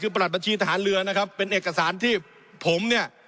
คือประหัดบัญชีทหารเรือนะครับเป็นเอกสารที่ผมเนี่ย